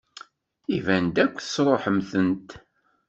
Iban akk tesṛuḥemt-tent.